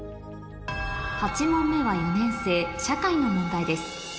８問目は４年生社会の問題です